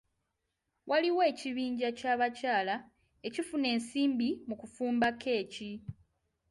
Waliwo ekibiinja ky'abakyala ekifuna ensimbi mu kufumba keeki.